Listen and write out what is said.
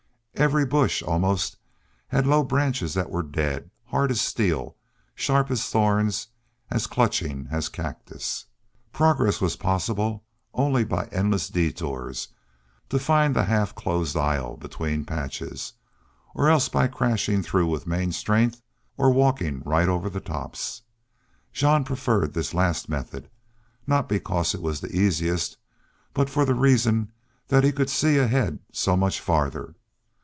Every bush, almost, had low branches that were dead, hard as steel, sharp as thorns, as clutching as cactus. Progress was possible only by endless detours to find the half closed aisles between patches, or else by crashing through with main strength or walking right over the tops. Jean preferred this last method, not because it was the easiest, but for the reason that he could see ahead so much farther.